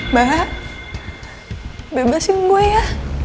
mbak bebasin gue ya